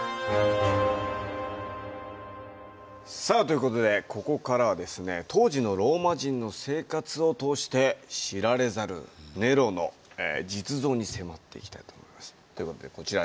さあという事でここからは当時のローマ人の生活を通して知られざるネロの実像に迫っていきたいと思います。